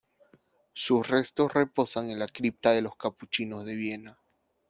Sus restos reposan en la cripta de los Capuchinos de Viena.